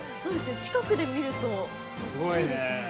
◆近くで見ると大きいですね。